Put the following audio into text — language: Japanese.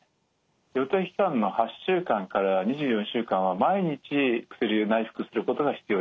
予定期間の８週間から２４週間は毎日薬を内服することが必要ですね。